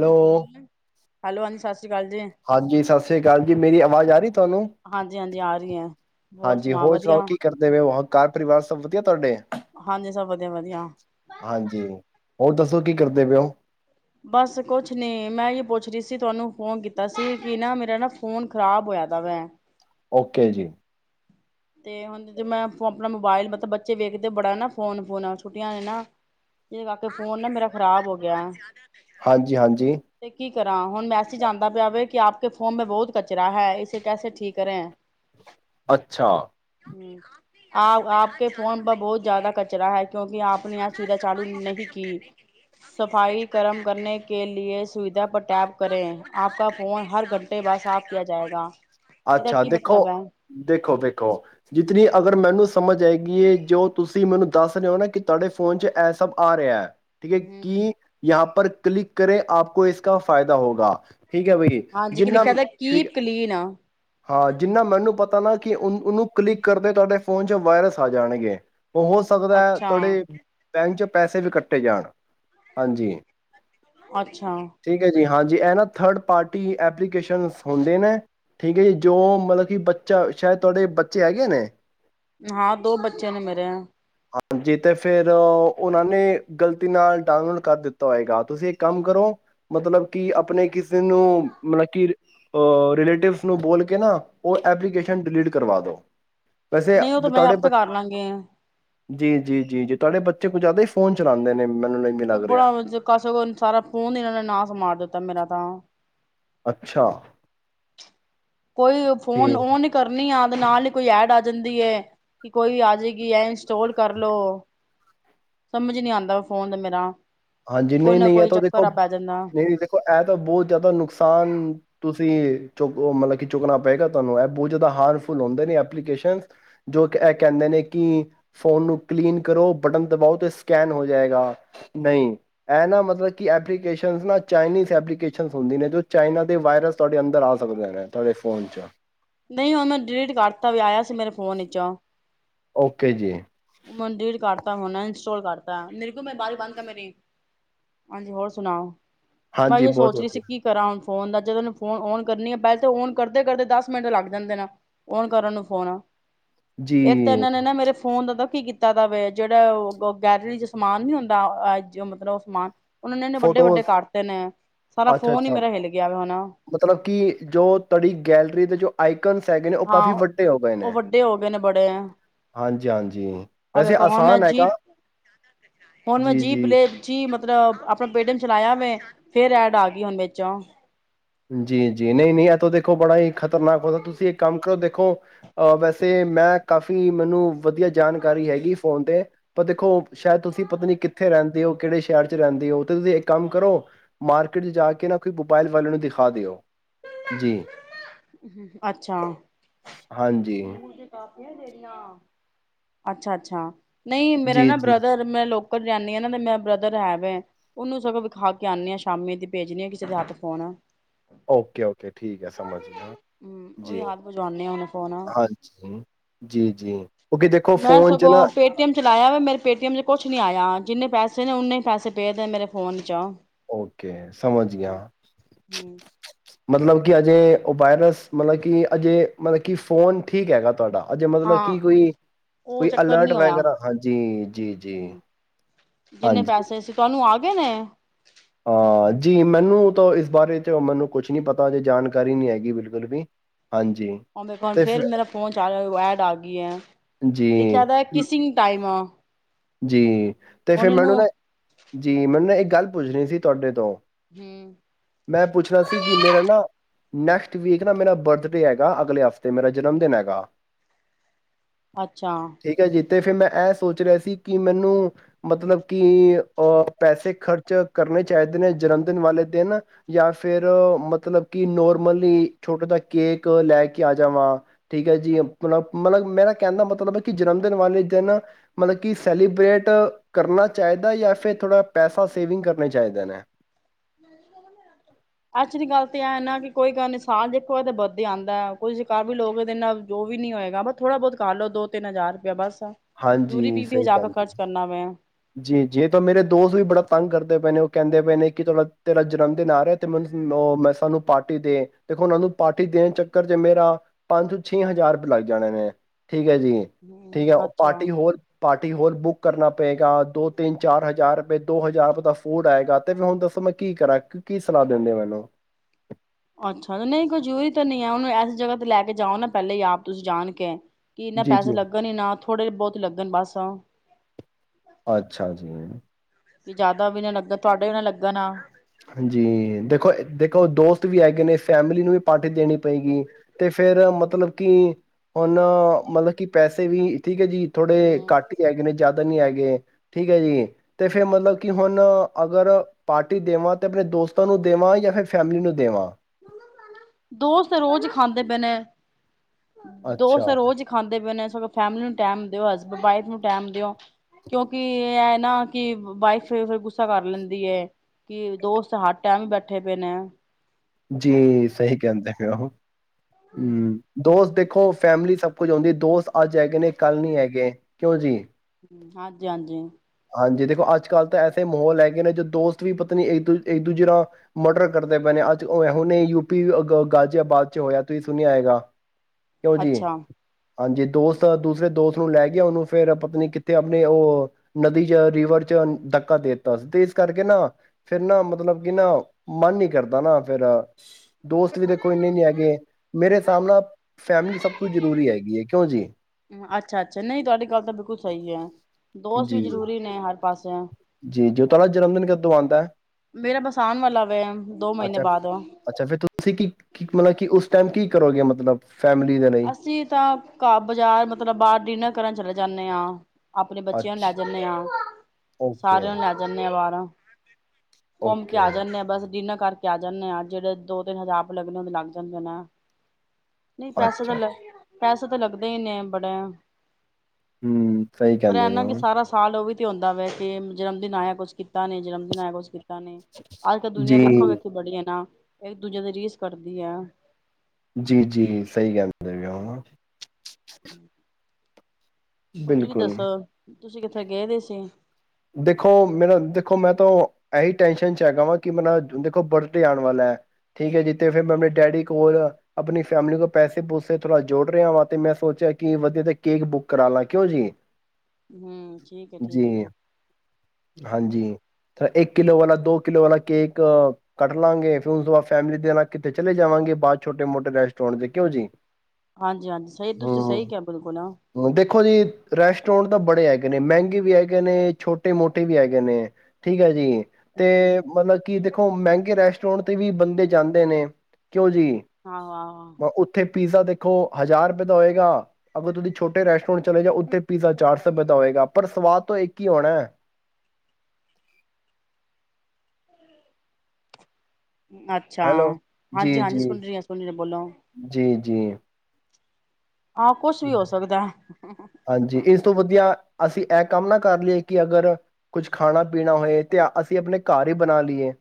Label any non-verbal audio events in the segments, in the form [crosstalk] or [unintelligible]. ਹਮ ਹਮ ਹੈਲ ਹਾਂਜੀ ਸ ਹਾਂਜੀ ਸਤਿ ਸ੍ਰੀ ਅਕਾਲ ਜੀ ਮੇਰੀ ਆਵਾਜ਼ ਆ ਰਹੀ ਤੁਹਾਨੂੰ ਹਾਂਜੀ ਹਾਂਜੀ ਆ ਰਹੀ ਹੈ ਹਾਂਜੀ ਸੁਣਾ ਹੋਰ ਵਧੀਆ ਸੁਣਾਓ ਕੀ ਕਰਦੇ ਪ ਘਰ ਪਰਿਵਾਰ ਸਭ ਵਧੀਆ ਤੁਹਾਡੇ ਹਾਂਜੀ ਸਭ ਵਧੀਆ ਵਧੀਆ ਹਾਂਜੀ ਹੋਰ ਦੱਸੋ ਕੀ ਕਰਦੇ ਪਏਓ ਬਸ ਕੁਛ ਨੀ ਮੈਂ ਇਹ ਪੁੱਛ ਰਹੀ ਸੀ ਤੁਹਾਨੂੰ ਫੋਨ ਕੀਤਾ ਸੀ ਕਿ ਨਾ ਮੇਰਾ ਨਾ ਫੋਨ ਖ਼ਰਾਬ ਹੋਇਆ ਦਾ ਵੈ ਓਕੇ ਜੀ ਤੇ ਹੁਣ ਜ ਮੈਂ ਆਪਣਾ ਮੋਬਾਇਲ ਮਤਲਬ ਬੱਚੇ ਵੇਖਦੇ ਬੜਾ ਨਾ ਫੋਨ ਫੋਨ ਛੁੱਟੀਆਂ ਨੇ ਨਾ ਜਦੇ ਕਰਕੇ ਫੋਨ ਨਾ ਮੇਰਾ ਖ਼ਰਾਬ ਹੋ ਗਿਆ ਹਾਂਜੀ ਹਾਂਜੀ ਤੇ ਕੀ ਕਰਾਂ ਹੁਣ ਮੈਸੇ ਜਾ ਆਦਾ ਪਿਆ ਵ ਕਿ ਆਪ ਫੋਮੈਂ ਬਹੁਤ ਕਚਰਾ ਹੈ ਇਸੇ ਕੈਸੇ ਠੀਕ ਕਰੇ ਅੱਛਾ ਹ ਆਪ ਕੇ ਫੋਨ ਪਰ ਬਹੁਤ ਜ਼ਿਆਦਾ ਕਚਰਾ ਹੈ ਕਿਉਂਕਿ ਆਪ ਨੇ ਯ ਸੁਵਿਧਾ ਚਾਲੂ ਨਹੀਂ ਕੀ ਸਫ਼ਾਈ ਕਰਮ ਕਰਨ ਕੇ ਲ ਸੁਵਿਧਾ ਪਰ ਟੈਪ ਕਰੇ ਆਪ ਕ ਫੋਨ ਹਰ ਘੰਟੇ ਬਾਅਦ ਸਾਫ਼ ਕੀਤਾ ਜਾਏਗਾ ਅੱਛਾ ਦੇਖੋ ਦੇਖੋ ਦੇਖੋ ਜਿਤਨੀ ਅਗਰ ਮੈਨੂੰ ਸਮਝ ਹੈਗੀ ਹੈ ਜੋ ਤੁਸੀਂ ਮੈਨੂੰ ਦੱਸ ਰਹੇ ਹੋ ਨਾ ਕਿ ਤੁਹਾਡੇ ਫੋਨ ਚ ਇਹ ਸਭ ਆ ਰਿਹਾ ਹੈ ਠੀਕ ਹੈ ਕਿ ਯਾਂ ਪਰ ਕਲਿਕ ਕਰੇ ਆਪ ਕੋ ਇਸਦਾ ਫਾਇਦਾ ਹੋਗਾ ਠੀਕ ਹੈ ਬਈ, ਹਾਂਜੀ ਕਿ ਜਿੰਨਾ ਲਿਖਿਆਦਾ ਠੀਕ ਕੀਪ ਕਲੀਨ ਆ ਹਾਂ ਜਿੰਨਾ ਮੈਨੂੰ ਪਤਾ ਨਾ ਕਿ ਉਹਨੂੰ ਕਲਿੱਕ ਕਰਦੇ ਤੁਹਾਡੇ ਫੋਨ ਚ ਵਾਇਰਸ ਆ ਜਾਣਗੇ ਉਹ ਹੋ ਸਕਦਾ ਹੈ ਅੱਛਾ ਥਹਾੜੇ ਬੈਂਕ 'ਚ ਪੈਸੇ ਵੀ ਕੱਟੇ ਜਾਣ ਹਾਂਜੀ ਅੱਛਾ ਠੀਕ ਹੈ ਜੀ ਹਾਂਜੀ ਇਹ ਨਾ ਥਰਡ ਪਾਰਟੀ ਐਪਲੀਕੇਸ਼ਨ ਹੁੰਦੇ ਨੇ ਠੀਕ ਹੈ ਜੀ ਜੋ ਮਤਲਬ ਕਿ ਬੱਚਾ ਸ਼ਾਇਦ ਤੁਹਾਡੇ ਬੱਚੇ ਹੈਗੇ ਨੇ ਹਾਂ ਦੋ ਬੱਚੇ ਨੇ ਮੇਰੇ ਹਾਂਜੀ ਤੇ ਫਿਰ ਉਹਨਾਂ ਨੇ ਗ਼ਲਤੀ ਨਾਲ ਡਾਊਨਲੋਡ ਕਰ ਦਿੱਤਾ ਹੋਏਗਾ ਤੁਸੀਂ ਇੱਕ ਕੰਮ ਕਰੋ ਮਤਲਬ ਕਿ ਆਪਣੇ ਕਿਸੇ ਨੂੰ ਮਤਲਬ ਕਿ ਰਿਲੇਟਿਵਸ ਨੂੰ ਬੋਲ ਕੇ ਨਾ ਉਹ ਐਪਲੀਕੇਸ਼ਨ ਡਿਲੀਟ ਕਰਵਾ ਦੋ ਵੈਸੇ ਨਹੀਂ ਉਹ ਤਾਂ ਮੈਂ ਤੁਹਾਡੇ ਬੱਚੇ ਆਪੇ ਕਰ ਲਾਂਗੇ ਜੀ ਜੀ ਜੀ ਜੀ ਤੁਹਾਡੇ ਬੱਚੇ ਕੁਝ ਜ਼ਿਆਦਾ ਫੋਨ ਚਲਾਉਂਦੇ ਨੇ ਨਹੀਂ ਉਹ ਲੱਗ ਬੜਾ ਰਿਹਾ। ਕਸ਼ ਸਾਰਾ ਫੋਨ ਇਹਨਾਂ ਨੇ ਨਾਸ ਮਾਰ ਦਿੱਤਾ ਮੇਰਾ ਤਾਂ ਅੱਛਾ ਕੋਈ ਤੇ ਫੋਨ ਓਨ ਹੀ ਕਰਨੀ ਆ ਨਾਲ ਹੀ ਕੋਈ ਐਡ ਆ ਜਾਂਦੀ ਹੈ ਕਿ ਕੋਈ ਆ ਜਾਏਗੀ ਇਹ ਇੰਸਟਾਲ ਕਰਲੋ ਸਮਝ ਨੀ ਆਉਂਦਾ ਉਹ ਫੋਨ ਦਾ ਮੇਰਾ ਹਾਂਜੀ ਕੋਈ ਨਹੀਂ ਨਾ ਨਹੀਂ ਇਹ ਕੋਈ ਤਾਂ ਚੱਕਰ ਦੇਖੋ ਆ ਪੈ ਜਾਂਦਾ ਨਹੀਂ ਦੇਖੋ ਇਹ ਤਾਂ ਬਹੁਤ ਜ਼ਿਆਦਾ ਨੁਕਸਾਨ ਤੁਸੀਂ ਚੁੱਕ ਮਤਲਬ ਕਿ ਚੁੱਕਣਾ ਪਏਗਾ ਤੁਹਾਨੂੰ ਇਹ ਬਹੁਤ ਜ਼ਿਆਦਾ ਹਾਰਮਫੁਲ ਹੁੰਦੇ ਨੇ ਐਪਲੀਕੇਸ਼ਨ ਜੋ ਕਿ ਇਹ ਕਹਿੰਦੇ ਨੇ ਕਿ ਫੋਨ ਨੂੰ ਕਲੀਨ ਕਰੋ ਬਟਨ ਦਬਾਓ ਤੇ ਸਕੈਨ ਹੋ ਜਾਏਗਾ ਨਹੀਂ ਇਹ ਨਾ ਮਤਲਬ ਕਿ ਐਪਲੀਕੇਸ਼ਨ ਨਾ ਚਾਈਨੀਜ਼ ਐਪਲੀਕੇ ਹੁੰਦੀ ਨੇ ਜੋ ਚਾਈਨਾ ਦੇ ਵਾਇਰਸ ਤੁਹਾਡੇ ਅੰਦਰ ਆ ਸਕਦੇ ਨੇ ਤੁਹਾਡੇ ਫੋਨ 'ਚ ਨਹੀਂ ਹ ਮੈਂ ਡਿਲੀਟ ਕਰਤਾ ਵੀ ਆਇਆ ਸੀ ਮੇਰੇ ਫੋਨ ਵਿਚੋਂ ਓਕੇ ਜੀ, ਮੰਡੀਰ ਕਰਤਾ ਉਹਨਾਂ ਨੇ ਟੋ ਕਰਤਾ ਨਿਰੂ ਮੈਂ ਬਾਹਰ ਬੰਦਦਾ ਮੇਰੀ ਹਾਂਜੀ ਹੋਰ ਸੁਣਾ ਮੈਂ ਹਾਂਜੀ ਉਹ ਬਹੁਤ ਸੋਚ ਰਹੀ ਸੀ ਵਧੀਆ ਕੀ ਕਰਾਂਣ ਫੋਨ ਦਾ ਜਦ ਉਹੂੰ ਫੋਨ ਓਨ ਕਰਨੀ ਆ ਪਹਿਲ ਤਾਂ ਓਨ ਕਰਦੇ ਕਰਦੇ ਦਸ ਮਿੰਟ ਲੱਗ ਜਾਂਦੇ ਨਾ ਓਨ ਕਰਨ ਨੂੰ ਫੋਨ ਆ ਜੀ ਤੇ ਇਹਨਾਂ ਨੇ ਨਾ ਮੇਰੇ ਫੋਨ ਦਾ ਕੀ ਕੀਤਾ ਤਾਂ ਵ ਜਿਹੜਾ ਉਹ ਗੈਲਰੀ ਚ ਸਮਾਨ ਨੀ ਹੁੰਦਾ ਅ ਮਤਲਬ ਉਹ ਸਮਾਨ ਉਹਨਾਂ ਨੇ ਇੰਨੇ ਵੱਡੇ ਵੱਡੇ ਫੋਟੋਜ਼ ਕੱਟਤੇ ਨੇ ਸਾਰਾ ਅੱਛਾ ਫੋਨ ਹੀ ਅੱਛਾ ਮੇਰਾ ਹਿੱਲ ਗਿਆ ਵਾ ਹੁਣ ਮਤਲਬ ਕਿ ਜੋ ਤੁਹਾੜੀ ਗੈਲਰੀ ਦੇ ਜੋ ਆਈ ਹੈਗੇ ਨੇ ਉਹ ਕਾਫੀ ਹਾਂ ਵੱਡੇ ਹੋ ਗਏ ਉਹ ਨੇ ਵੱਡੇ ਹੋ ਗਏ ਨੇ ਬੜੇ ਹਾਂਜੀ ਹਾਂਜੀ ਆ ਵੈਸੇ ਵੇਖੋ ਹੁਣ ਮੈਂ ਆਸਾਨ ਜੀ ਹੈਗਾ ਹੁਣ ਮੈਂ ਜੀ ਜੀ ਪਲੇ ਜੀ ਮਤਲਬ ਆਪਣਾ ਪੇਟ ਨੂੰ ਚਲਾਇਆ ਵੈਂ ਫੇਿਰ ਐਡ ਆ ਗਈ ਹੁਣ ਵਿੱਚੋਂ ਜੀ ਜੀ ਨਹੀਂ ਨਹੀਂ ਇਹ ਤਾਂ ਦੇਖੋ ਬੜਾ ਹੀ ਖ਼ਤਰਨਾਕ ਹੁੰਦਾ ਤੁਸੀਂ ਇੱਕ ਕੰਮ ਕਰੋ ਦੇਖੋ ਅ ਵੈਸੇ ਮੈਂ ਕਾਫ਼ੀ ਮੈਨੂੰ ਵਧੀਆ ਜਾਣਕਾਰੀ ਹੈਗੀ ਫੋਨ ਤੇ ਪਰ ਦੇਖੋ ਸ਼ਾਇਦ ਤੁਸੀਂ ਪਤਾ ਨ ਕਿੱਥੇ ਰਹਿੰਦੇ ਹੋ ਕਿਹੜੇ ਸ਼ਹਿਰ ਚ ਰਹਿੰਦੇ ਹੋ ਤੁਸੀਂ ਇੱਕ ਕੰਮ ਕਰੋ ਮਾਰਕੀਟ ਚ ਜਾ ਕੇ ਨਾ ਕੋਈ ਮੋਬਾਇਲ ਵਾਲੇ ਨੂੰ ਵਿਖਾ ਖਾ ਦਿਓ ਜੀ ਅੱਛਾ ਹਾਂਜੀ, ਅੱਛਾ ਅੱਛਾ ਨਹੀਂ ਮੇਰਾ ਨਾ ਜੀ-ਜੀ ਬ੍ਰਦਰ ਮੈਂ ਲੋਕ ਜਾਂਦੀ ਹ ਨਾ ਤੇ ਮੇਰਾ ਬ੍ਰਦਰ ਹੋਵੇ, ਉਹਨੂੰ ਸਗੋਂ ਵਿਖਾ ਕੇ ਆਉਂਦੀ ਹਾਂ, ਸ਼ਾਮੀ ਦੀ ਭੇਜਣੀ ਹ ਕਿਸੇ ਦੇ ਹੱਥ ਫੋਨ ਓਕੇ -ਓਕੇ ਠੀਕ ਹੈ ਸਮਝ ਜੀ, ਹੂੰ ਉਹਦੇ ਹੱਥ ਭਜਵਾਨੇ ਆ ਉਹਨੇ ਫੋਨ ਹਾਂਜੀ ਜੀ ਜੀ। ਮੈਂ ਸਗੋਂ ਪੇਟੀਐਮ ਚਲਾਇਆ ਵਾ, ਮੇਰੇ ਪੇਟੀਐਮ ਚ ਕੁਛ ਨਹੀਂ ਆਇਆ, ਜਿੰਨੇ ਪੈਸੇ ਨੇ ਉਨੇ ਪੈਸੇ ਪੇਦੇ ਨੇ ਮੇਰੇ ਫੋਨ ਚ ਆ ਓਕੇ, ਸਮਝ ਗਿਆ। ਹੂੰ ਮਤਲਬ ਕਿ ਅਜੇ, ਓਬਾਇਰਸ ਮਤਲਬ ਕਿ ਅਜੇ ਮਤਲਬ ਕਿ ਫੋਨ ਠੀਕ ਹੈਗਾ ਤੁਹਾਡਾ ਅਜੇ ਮਤਲਬ ਹਾਂ ਕੀ ਕੋਈ ਉਹ ਕੋਈ, ਚੱਕਰ ਅਲਰਟ ਨੀ ਹੋਇਆ ਵੈਗੈਰਾ ਹਾਂਜੀ, ਜੀ, ਜੀ ਜਿੰਨੇ ਹਾਂਜੀ। ਪੈਸੇ ਸੀ ਤੁਹਾਨੂੰ ਆ ਗਏ ਨੇ ਹ ਜੀ ਮੈਨੂੰ ਤਾਂ ਇਸ ਬਾਰੇ ਚ ਮੈਨੂੰ ਕੁਛ ਨਹੀਂ ਪਤਾ ਜੇ ਜਾਣਕਾਰੀ ਨਹੀਂ ਹੈਗੀ ਬਿਲਕੁਲ ਵੀ। ਹਾਂਜੀ ਫਿਰ ਮੇਰਾ ਫੋਨ ਚੱ ਐਡ ਆ ਗਈ, ਜੀ, ਆਖਿਆ ਤਾਂ ਕਿਸੀ ਵੀ ਟਾਈਮ ਆ ਜੀ। ਤੇ ਫਿਰ ਮੈਨੂੰ ਨਾ, ਜੀ ਮੈਨੂੰ ਨਾ ਇੱਕ ਗੱਲ ਪੁੱਛਣੀ ਸੀ ਤੁਹਾਡੇ ਤੋਂ ਹੂੰ ਮੈਂ ਪੁੱਛਣਾ ਸੀ ਕਿ, ਮੇਰਾ ਨਾ ਨੈਕਸਟ ਵੀਕ ਨਾ ਮੇਰਾ ਬਰਥਡੇ ਐਗਾ, ਅਗਲੇ ਹਫ਼ਤੇ ਮੇਰਾ ਜਨਮਦਿਨ ਐਗਾ। ਅੱਛਾ। ਅਤੇ ਫਿਰ ਮੈਂ, ਐ ਸੋਚ ਰਿਹਾ ਸੀ ਕਿ ਮੈਨੂੰ ਮਤਲਬ ਕਿ ਅ ਪੈਸੇ ਖ਼ਰਚ ਕਰਨੇ ਚਾਹੀਦੇ ਨੇ, ਜਨਮਦਿਨ ਵਾਲੇ ਦਿਨ ਜਾਂ ਫਿਰ ਮਤਲਬ, ਕਿ ਨੋਰਮਲੀ ਛੋਟਾ ਜਿਹਾ ਕੇਕ ਲੈ ਕੇ ਆ ਜਾਵਾਂ ਠੀਕ ਹੈ ਜੀ। ਮਤਲਬ -ਮਤਲਬ ਮੇਰਾ ਕਹਿਣ ਦਾ ਮਤਲਬ ਹੈ ਕਿ, ਜਨਮ ਦਿਨ ਵਾਲੇ ਦਿਨ ਮਤਲਬ ਕਿ ਸੈਲੀਬ੍ਰੇਟ ਕਰਨਾ ਚਾਹੀਦਾ, ਯਾ ਫਿਰ ਥੋੜਾ ਪੈਸਾ ਸੇਵਿੰਗ ਕਰਨੇ ਚਾਹੀਦਾ ਨੇ? ਅੱਛ ਦੀ ਗੱਲ ਤੇ ਇਹ ਨਾ ਕਿ ਕੋਈ ਗੱਲ ਨੀ ਸਾਲ ਦੇਖੋ ਇਹ ਤੇ ਵੱਧਦੇ ਆਉਂਦਾ, ਕੋਈਕਾਰ ਵੀ ਲੋਕ ਇਹਦੇ ਨਾਲ ਜੋ ਵੀ ਨੀ ਹੋਏਗਾ, ਬ ਥੋੜ੍ਹਾ ਬਹੁਤ ਕਰ ਲਓ ਦੋ ਤਿੰਨ ਹਜ਼ਾਰ ਰੁਪਇਆ ਬਸ। ਚੂਰੀ ਹਾਂਜੀ ਵੀਹ ਵੀਹ ਸਹੀ ਹਜ਼ਾਰ ਕਹਿੰਦੇ ਖਰਚ ਕਰਨਾ ਵੈਂ ਜੀ -ਜੀ ਤਾਂ ਮੇਰੇ ਦੋਸਤ ਵੀ ਬੜਾ ਤੰਗ ਕਰਦੇ ਪਏ ਨੇ, ਉਹ ਕਹਿੰਦੇ ਪਏ ਨੇ ਕਿ ਤੇਰਾ ਜਨਮਦਿਨ ਆ ਰਿਹਾ, ਤੇ ਮੈਨੂੰ ਉਹ ਮੈਂ ਸਾਨੂੰ ਪਾਰਟੀ ਦੇ ਦੇਖੋ ਉਹ ਨੂੰ ਪਾਰਟੀ ਦੇਣ ਚੱਕਰ ਚ ਮੇਰਾ ਪੰਜ ਤੋਂ ਛੇ ਹਜ਼ਾਰ ਰੁਪਏ ਲੱਗ ਜਾਣੇ ਨੇ। ਠੀਕ ਹੈ, ਜੀ ਹੂੰ ਠੀਕ ਹੈ ਅੱਛਾ party hall party hall book ਕਰਨਾ ਦੋ ਤਿੰਨ ਚਾਰ ਹਜ਼ਾਰ ਰੁਪਏ ਦੋ ਹਜ਼ਾਰ ਰੁਪਏ ਦਾ ਫੂਡ ਆਏਗਾ, ਤੇ ਹੁਣ ਦੱਸੋ ਮੈਂ ਕੀ ਕਰਾਂ? ਕੀ ਸਲਾਹ ਦਿੰਦੇ ਮੈਨੂੰ। ਅੱਛਾ, ਨਹੀਂ ਜਰੂਰੀ ਤਾਂ ਨਹੀਂ ਹੈ? ਹੁਣ ਇਸ ਜਗ੍ਹਾ ਤੇ ਲੈ ਕੇ ਜਾਓ ਨਾ ਪਹਿਲੇ ਹੀ ਆਪ ਤੁਸੀਂ ਜਾਣ ਕੇ ਕਿ ਇਨਾ ਜੀ, ਪੈਸੇ ਜੀ। ਲੱਗਣ ਨਾ, ਥੋੜੇ ਬਹੁਤ ਲੱਗਣ ਬਸ। ਅੱਛਾ ਜੀ। ਜ਼ਿਆਦਾ ਵੀ ਨਾ ਲੱਗਾ, ਤੁਹਾਡਾ ਵੀ ਨਾ ਲੱਗਾ ਨਾ ਜੀ ਦੇਖੋ ਦੇਖੋ ਦੋਸਤ ਵੀ ਹੈਗੇ ਨੇ, ਫੈਮਿਲੀ ਨੂੰ ਵੀ ਪਾਰਟੀ ਦੇਣੀ ਪਏਗੀ, ਤੇ ਫਿਰ ਮਤਲਬ ਕਿ ਹੁਣ ਮਤਲਬ ਕਿ ਪੈਸੇ ਵੀ ਠੀਕ ਹੈ ਜੀ ਥੋੜੇ ਹਮ ਘੱਟ ਹੀ ਹੈਗੇ ਨੇ ਜਿਆ ਨਈ ਹੈਗੇ ਠੀਕ ਹੈ ਜੀ, ਤੇ ਫਿਰ ਮਤਲਬ ਕਿ ਹੁਣ ਅਗਰ ਪਾਰਟੀ ਦੇਵਾਂ ਆਪਣੇ ਦੋਸਤਾਂ ਨੂੰ ਦੇਵਾਂ, ਜਾਂ ਫਿਰ ਫੈਮਿਲੀ ਨੂੰ ਦੇਵਾਂ। ਦੋਸਤ ਰੋਜ਼ ਖਾਂਦੇ ਪਏਨੇ। ਦੋਸਤ ਅੱਛਾ ਰੋਜ਼ ਖਾਂਦੇ ਪਏਨੇ, ਸਗੋਂ ਫੈਮਿਲੀ ਨੂੰ ਟੈਮ ਦਿਓ। ਵਾਈਫ ਨੂੰ ਟੈਮ ਦਿਓ ਕਿਉਂਕਿ, ਇਹ ਨਾ ਕਿ ਵਾਈਫ ਫਿਰ ਗੁੱਸਾ ਕਰ ਲੈਂਦੀ ਏ, ਕਿ ਦੋਸਤ ਹਰ ਟੈਮ ਵੀ ਬੈਠੇ ਪਏ ਨੇ। ਜੀ, ਸਹੀ ਕਹਿੰਦੇ। ਹੋ [inaudible] ਹੂੰ ਹਮ ਦੋਸਤ ਦੇ ਦੇਖੋ ਫੈਮਿਲੀ ਸਭ ਕੁਝ ਆਉਂਦੀ ਦੋਸਤ ਅੱਜ ਹੈਗੇ ਨੇ ਕੱਲ੍ਹ ਨੀ ਹੈਗੇ ਕਿਉਂ ਜੀ ਹਾਂਜੀ ਹਾਂਜੀ ਹਾਂਜੀ ਦੇਖੋ ਅੱਜ ਕੱਲ੍ਹ ਤਾਂ ਐਸੇ ਮਾਹੌਲ ਹੈਗੇ ਨੇ ਜੋ ਦੋਸਤ ਵੀ ਪਤਨੀ ਇੱਕ ਦ ਦੂਜੇ ਨਾਲ ਮਰਡਰ ਕਰਦੇ ਪਏ ਨੇੱਜ ਹੁਣੇ ਯੂਪੀ ਗਾਜ਼ੀਆਬਾਦ ਚ ਹੋਇਆ ਤੁਸੀਂ ਸੁਣਿਆ ਆਏਗਾ ਅੱਛਾ ਹਾਂਜੀ ਦੋਸਤ ਦੂਸਰੇ ਦੋਸਤ ਨੂੰ ਲੈ ਕੇ ਉਹਨੂੰ ਫੇਿਰ ਪਤਨੀ ਕਿੱਥੇ ਆਪਣੇ ਉਹ ਨਦੀ ਚ ਰੀਵਰ ਚ ਧੱਕਾ ਦੇ ਦਿੱਤਾ ਸੀ ਤੇ ਇਸ ਕਰਕੇ ਨਾ ਫੇਿਰ ਨਾ ਮਤਲਬ ਕਿ ਨਾ ਮਨ ਨ ਕਰਦਾ ਨਾ ਫਿਰ ਦੋਸਤ ਵੀ ਦੇਖੋ ਇੰਨੇ ਨੀ ਹੈਗੇ ਮੇਰੇ ਹਿਸਾਬ ਨਾਲ ਫੈਮਿਲੀ ਸਭ ਤੋਂ ਜ਼ਰੂਰੀ ਹੈਗੀ ਹੈ ਕਿਉਂ ਜੀ ਅੱਛਾ ਅੱਛਾ ਨਹੀਂ ਤੁਹਾਡੀ ਗੱਲ ਤਾਂ ਬਿਲਕੁਲ ਸਹੀ ਹੈ ਦੋਸਤ ਵੀ ਜੀ ਜ਼ਰੂਰੀ ਨੇ ਹਰ ਪਾਸੇ ਜੀ ਜੋ ਤੁਹਾਡਾ ਜਨਮਦਨ ਕਿਦੋਂ ਆਉਂਦਾ ਹੈ ਮੇਰਾ ਬਸ ਆਣ ਵਾਲਾ ਵੇ ਦੋ ਮਹੀਨੇ ਅੱਛਾ ਬਾਅਦ ਅੱਛਾ ਫੇਿਰ ਤੁਸੀਂ ਕੀ ਕੀ ਮਤਲਬ ਕਿ ਉਸ ਟਾਈਮ ਕੀ ਕਰੋਗੇ ਮਤਲਬ ਫੈਮਿਲੀ ਦੇ ਲਈ ਅਸੀਂ ਤਾਂ ਘ ਬਾਜ਼ਾਰ ਮਤਲਬ ਬਾਹਰ ਡਿਨਰ ਕਰਨ ਚਲੇ ਜਾਂਦੇ ਹਾਂ ਆਪਣੇ ਬੱਚਿਆਂ ਨੂੰ ਅੱਛ ਲੈ ਜਾਂਦੇ ਹਾਂ ਓਕੇ ਸਾਰਿਆਂ ਨੂੰ ਲੈ ਜਾਂਦੇ ਹਾਂ ਬਾਹਰੋਂ ਹਾਂ ਦੇਖ ਘੁੰਮ ਕੇ ਆ ਓਕੇ ਜਾਂਦੇ ਆਾਂ ਬਸ ਜਿਨਾ ਕਰਕੇ ਆ ਜਾਂਦੇ ਆਾਂ ਜਿਹੜੇ ਦੋ ਤਿੰਨ ਹਜ਼ਾਰ ਆਪ ਲੱਗਣੇ ਉਹਦੇ ਲੱਗ ਜਾਂਦੇ ਨਾ ਪੈਸ ਅੱਛਾ ਗੱਲ ਪੈਸੇ ਤਾਂ ਲੱਗਦੇ ਹੀ ਇਨੇ ਬੜੇ ਹਮ ਸਹੀ ਕਹਿੰਦੇ ਮ ਆਉਂਦਾ ਵਾ ਕਿ ਜਨਮ ਦਿਨ ਆਇਆ ਕੁਛ ਕੀਤਾ ਨੇ ਜਨਮ ਦਿਨ ਆਇਆ ਕੁਛ ਕੀਤਾ ਨੇ ਅੱਜ ਕੱਲ ਦੁਨੀਆਂ ਜੀ ਵੇਖੋ ਵੇਖੋ ਬੜੀੀਆਂ ਨਾ ਇੱਕ ਦੂਜੇ ਦੇ ਰੀਸ ਕਰਦੀ ਆ ਜੀ ਜੀ ਸਹੀ ਗਿਆਦਰ ਵੀ ਹਮ ਉਹ ਤੁਸੀਂ ਬਿਲਕੁਲ ਦੱਸੋ ਤੁਸੀਂ ਕਿੱਥੇ ਗਏਦੇ ਸੀ ਦੇਖੋ ਮੇਰਾ ਦੇਖੋ ਮੈਂ ਤੋਂ ਇਹੀ ਟੈਸ਼ਨ ਚ ਹੈਗਾ ਵਾ ਕਿ ਮੇ ਦੇਖੋ ਬਰਥਡੇ ਆਉਣ ਵਾਲਾ ਹੈ ਠੀਕ ਹੈ ਜੀ ਤੇ ਫਿਰ ਮੈਂ ਆਪਣੇ ਡੈਡੀ ਕੋਲ ਆਪਣੀ ਫੈਮਲੀ ਕੋਲ ਪੈਸੇ ਪੂਸੇ ਥੋੜਾ ਜੋੜ ਰਿਹਾ ਵਾ ਤੇ ਮੈਂ ਸੋਚਿਆ ਕਿ ਵਧੀਆ ਤੇ ਕੇਕ ਬੁੱਕ ਕਰਾ ਲਾ ਕਿਉਂ ਜੀ ਹਮ ਠੀਕ ਹੈ ਠੀਕ ਹੈ ਜੀ ਜਾ ਹਾਂਜੀ ਇੱਕ ਕਿੱਲੋ ਵਾਲਾ ਦੋ ਕਿਲੋ ਵਾਲਾ ਕੇਕ ਕੱਟ ਲਾਂਗੇ ਫਿਰਰ ਉਸ ਤੋਂ ਬਾਅਦ ਫੈਮਲੀ ਦੇ ਨਾਲ ਕਿਤੇ ਚਲੇ ਜਾਵਾਂਗੇ ਬਾਅਦ ਛੋਟੇ ਮੋਟੇ ਰਸ ਕਿਉਂ ਜੀ ਹਾਂਜੀ ਹਾਂਜੀ ਸਹੀ ਤੁਸੀਂ ਸਹੀ ਕਿਹਾ ਬਿਲਕੁਲ ਹਮ ਦੇਖੋ ਜੀ ਰੈਸ਼ਟ ਚੋਣ ਤਾਂ ਬੜੇ ਹੈਗੇ ਨੇ ਮਹਿੰਗੇ ਵੀ ਹੈਗੇ ਨੇ ਛੋਟੇ ਮੋਟੇ ਵੀ ਹੈਗੇ ਨੇ ਠੀਕ ਹੈ ਜੀ ਤੇ ਹਮ ਮਤਲਬ ਕਿ ਦੇ ਮਹਿੰਗੇ ਰੈਸਟੋਰੈਂਟ ਤੇ ਵੀ ਬੰਦੇ ਜਾਂਦੇ ਨੇ ਕਿਉਂ ਜੀ ਆਹੋ ਆਹੋ ਮੈਂ ਉੱਥੇ ਪੀਜ਼ਾ ਦੇਖੋ ਹਜ਼ਾਰ ਰੁਪਏ ਦਾ ਹੋਏਗਾ ਅਗਰ ਤੁਸੀਂ ਛੋਟੇ ਰੈਸਟੋਰੈਂਟ ਚਲੇ ਜਾਓ ਉੱਥੇ ਪੀਜ਼ਾ ਚਾਰ ਸੌ ਰੁਪਏ ਦਾ ਹੋਏਗਾ ਪਰ ਸਵਾਦ ਤੋਂ ਕੀ ਆਣਾ ਅੱਛਾ ਹੈਲੋ ਜੀ ਹਾਂਜੀ ਹਾਂਜੀ ਜੀ ਸੁਣ ਰਹੀਆਂ ਸੁਣ ਰਆਂ ਬੋਲੋ ਜੀ ਜੀ ਹਾਂ ਕੁਛ ਵੀ ਹੋ ਸਕਦਾ ਹੈ ਹਾਂਜੀ ਇਸ ਤੋਂ ਵਧੀਆ ਅਸੀਂ ਐ ਕੰਮ ਨਾ ਕਰ ਲਈਏ ਕਿ ਅਗਰ ਕੁੱਝ ਖਾਣਾ ਪੀਣਾ ਹੋਏ ਤੇ ਅਸੀਂ ਆਪਣੇ ਘਰ ਹੀ ਬਣਾ ਲਈਏ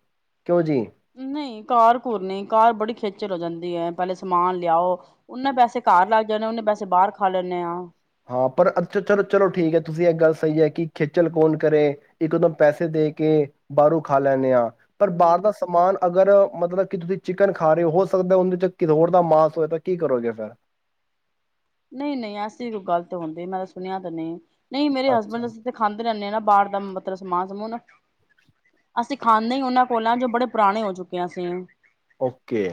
ਕਿਉਂ ਜੀ ਨਹੀਂ ਕਾਰ ਘੁਰ ਨਹੀਂ ਕਾਰ ਬੜੀ ਖੇਚਰ ਹੋ ਜਾਂਦੀ ਹੈ ਪਹਿਲੇ ਸਮਾਨ ਲਿਆਓ ਨੇ ਪੈਸੇ ਘਰ ਲੱਗ ਜਾਂਣੇ ਨੇ ਪੈਸੇ ਬਾਹਰ ਖਾ ਲੈਂਣੇ ਆਂ ਹਾਂ ਪਰ ਅੱਛਾ ਚਲੋ ਚਲੋ ਠੀਕ ਹੈ ਤੁਸੀਂ ਇਹ ਗੱਲ ਸਹੀ ਹੈ ਕਿ ਖੇਚਲ ਕੌਣ ਕਰੇ ਇੱਕਦੋਂ ਪੈਸੇ ਦੇ ਕੇ ਬਾਹਰੋਂ ਖਾ ਲੈਂਦੇ ਹਾਂ ਪਰ ਬਾਹਰ ਦਾ ਹਮ ਸਮਾਨ ਅਗਰ ਮਤਲਬ ਕਿ ਤੁਸੀਂ ਚਿਕਨ ਖਾ ਰਹੇ ਹੋ ਸਕਦਾ ਉਹਦੇ ਚ ਕਿਦੋਰ ਦਾ ਮਾਸ ਹੋਆ ਤਾਂ ਕੀ ਕਰੋਗੇ ਫਿਰ ਨਹੀਂ ਨਹੀਂ ਅਸੀਂ ਗ਼ਲਤ ਹੁੰਦੇ ਮੈਂ ਸੁਣਿਆ ਤਾਂ ਨਹੀਂ ਨਹੀਂ ਮੇਰੇ ਹਸਬੈਂਡ ਅੱਛਾ ਅਸੀ ਖਾਂਦੇ ਰਹਿੰਦੇ ਨਾ ਬਾਹਰ ਦਾ ਮਤਲਬ ਸਮਾਨ ਸਮੂਨ ਅਸੀਂ ਖਾਂਦੇ ਹੀ ਉਹਨਾਂ ਕੋਲ ਜੋ ਬੜੇ ਪੁਰਾਣੇ ਹੋ ਚੁੱਕੇ ਅਸੀਂ ਓਕੇ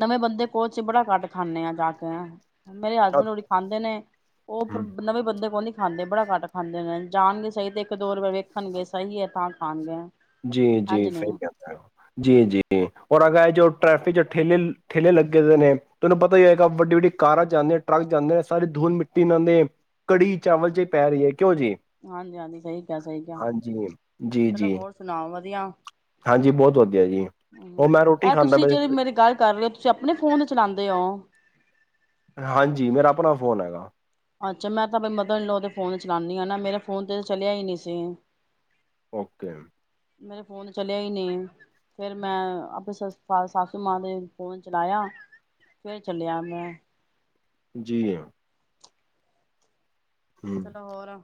ਨਵੇਂ ਬੰਦੇ ਕੋਲ ਚਿਬੜਾ ਕੱਟ ਖਾਂਦੇ ਆ ਜਾ ਕੇ ਕ ਮੇਰੇ ਹਸਬੈਂਡ [unintelligible] ਖਾਂਦੇ ਨੇ ਉਹ ਹਮ ਨਵੇਂ ਬੰਦੇ ਕੋ ਨ ਖਾਂਦੇ ਬੜਾ ਘੱਟ ਖਾਂਦੇ ਨੇ ਜਾਣਗੇ ਸਹੀ ਤੇ ਇੱਕ ਦੋ ਰਪ ਵੇਖਣਗੇ ਸਹੀ ਹੈ ਤਾਂ ਖਾਣਗੇ ਜੀ ਇੰਝ ਜੀ ਫ ਨਹੀਂ ਜੀ ਜੀ ਔਰ ਅਗਾਏ ਜੋ ਟ੍ਰੈਫਿਕ ਚ ਠੇਲੇ ਠੇਲੇ ਲੱਗੇ ਨੇ ਤੁਹਾਨੂੰ ਪਤਾ ਹੀ ਹੋਏਗਾ ਵੱਡੀ ਵੱਡੀ ਕਾਰਾਂ ਜਾਂਦੇ ਨੇ ਟਰੱਕ ਜਾਂਦੇ ਨੇ ਸਾਰੀ ਧੂਲ ਮਿੱਟੀ ਨਾਲਂ ਕੜੀ ਚਾਵਲ ਚ ਹੀ ਪੈ ਰਹੀ ਹੈ ਕਿਉਂ ਜੀ ਹਾਂਜੀ ਹਾਂਜੀ ਸਹੀ ਕਿਹਾ ਸਹੀ ਕਿਹਾ ਹਾਂਜੀ ਜੀ ਚਲੋ ਜੀ ਹੋਰ ਸੁਣਾਓ ਵਧੀਆ ਹਾਂਜੀ ਬਹੁਤ ਵਧੀਆ ਜੀ ਹਮ ਉਹ ਮੈਂ ਰੋਟੀ ਇਹ ਖਾਂਦਾ ਤੁਸੀਂ ਮ ਜਿਹੜੀ ਮੇਰੀ ਗੱਲ ਕਰ ਰਹੇ ਹੋ ਤੁਸੀਂ ਆਪਣੇ ਫੋਨ ਤੇ ਚਲਾਉਂਦੇ ਹੋ ਹਾਂਜੀ ਮੇਰਾ ਆਪਣਾ ਫੋਨ ਹੈਗਾ ਅੱਛਾ ਮੈਂ ਤਾਂ ਮਤਾਬ ਲਓਦੇ ਫੋਨ ਚਲਾਉਾਨਦੀ ਹਾ ਮੇਰੇ ਫੋਨ ਤੇ ਚਲਿਆ ਹੀ ਨਹੀਂ ਸੀ ਓਕੇ ਮੇਰੇ ਫੋਨ ਚੱਲਿਆ ਹੀ ਨਹੀਂ ਫਿਰ ਮੈਂ ਆਪਣੇ ਫ ਸਾਸੂ ਮਾਂ ਦੇ ਫੋਨ ਚਲਾਇਆ ਫਿਰ ਚੱਲਿਆ ਮੈਂ ਜੀ ਹਾਂ ਚਲੋ ਹੋਰ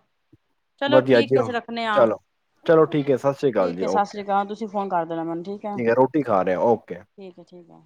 ਚਲੋ ਵਧੀਆ ਠੀਕ ਜੀ, ਹੈ ਅਸੀਂ ਰੱਖਣੇ ਆ ਚਲੋ, ਚਲੋ ਠੀਕ ਹੈ ਸਤਿ ਸ਼੍ਰੀ ਅਕਾਲ ਠੀਕ ਜੀ, ਹੈ ਸਤਿ ਓਕੇ ਸ੍ਰੀ ਅਕਾਲ ਤੁਸੀਂ ਫ ਕਰ ਦੇਣਾ ਮੈਨੂੰ ਠੀਕ ਹੈ ਰੋਟੀ ਖਾ ਰਹੇ ਓਕੇ ਠੀਕ ਹੈ ਠੀਕ ਹੈ